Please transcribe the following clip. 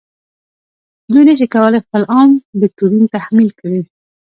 دوی نشي کولای خپل عام دوکتورین تحمیل کړي.